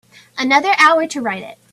Another hour to write it.